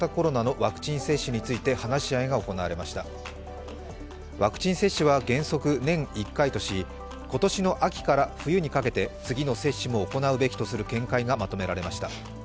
ワクチン接種は原則年１回とし、今年の秋から冬にかけて次の接種も行うべきとの見解がまとめられました。